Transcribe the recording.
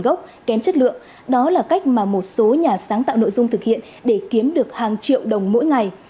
gốc kém chất lượng đó là cách mà một số nhà sáng tạo nội dung thực hiện để kiếm được hàng triệu đồng mỗi ngày